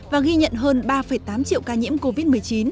và ghi nhận hơn ba tám triệu ca nhiễm covid một mươi chín